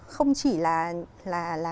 không chỉ là